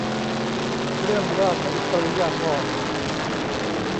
เครื่องราชอิสริยาภรณ์